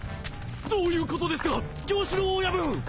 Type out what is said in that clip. どういうことですか狂死郎親分！